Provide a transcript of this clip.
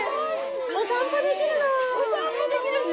お散歩できるの！